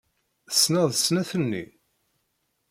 Tessneḍ snat-nni?